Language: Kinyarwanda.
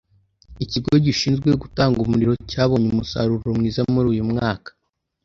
ikigo gishizwe gutanga umuriro cyabonye umusaruro mwiza muri uyu mwaka